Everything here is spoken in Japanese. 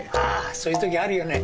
そういうときあるよね。